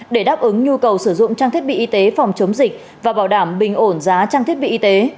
để đáp ứng nhu cầu sử dụng trang thiết bị y tế phòng chống dịch và bảo đảm bình ổn giá trang thiết bị y tế